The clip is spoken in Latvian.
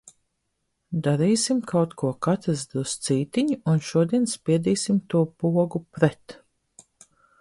"Darīsim kaut ko katrs druscītiņ un šodien spiedīsim to pogu "pret"."